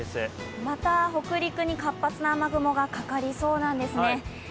また北陸に活発な雨雲がかかりそうなんですね。